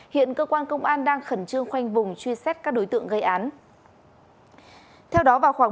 hiện cơ quan công an đang khẩn trương khoanh vùng